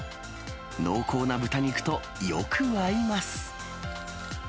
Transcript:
濃厚な豚肉とよく合います。